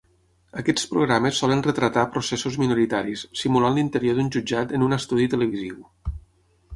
Aquests programes solen retratar processos minoritaris, simulant l'interior d'un jutjat en un estudi televisiu.